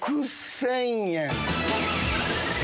６０００円。